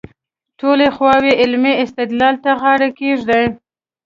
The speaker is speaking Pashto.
ټولې خواوې علمي استدلال ته غاړه کېږدي.